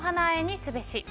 あえにすべし。